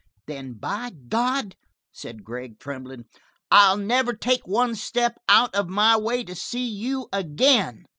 "Then, by God," said Gregg, trembling, "I'll never take one step out of my way to see you again."